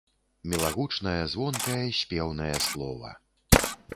Мілагучнае, звонкае, спеўнае слова!